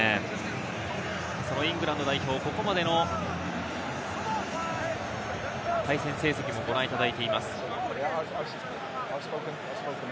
そのイングランド代表、ここまでの対戦成績もご覧いただいています。